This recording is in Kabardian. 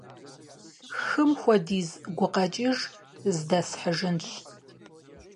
«Хым хуэдиз» гукъэкӀыж здэсхьыжынщ.